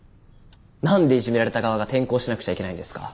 何でいじめられた側が転校しなくちゃいけないんですか？